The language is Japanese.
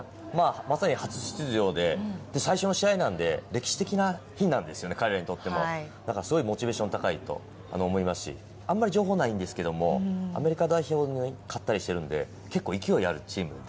まさに初出場で、最初の試合なんで、歴史的な日なんですよね、彼らにとっても、だからモチベーション高いと思いますし、あんまり情報ないんですけども、アメリカ代表に勝ったりしてるんで、結なるほど。